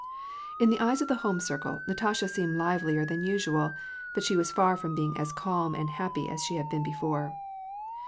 In the eyes of the home circle, Natasha seemed livelier than usual, but she was far from being as calm and happy as she had been before.